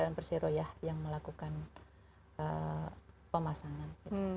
dan persiroyah yang melakukan pemasangan